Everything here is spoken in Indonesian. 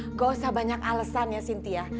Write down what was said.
nggak usah banyak alesan ya cynthia